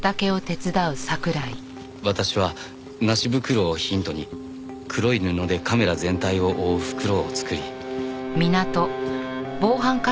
私は梨袋をヒントに黒い布でカメラ全体を覆う袋を作り。